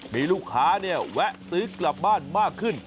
มีลูกค้าเนี่ยแวะซื้อกลับบ้านมากขึ้น